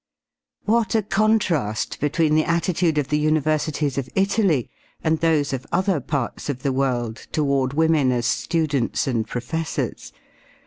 What a contrast between the attitude of the universities of Italy and those of other parts of the world toward women as students and professors!